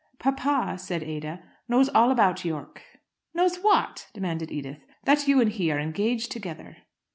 "Papa," said Ada, "knows all about Yorke." "Knows what?" demanded Edith. "That you and he are engaged together."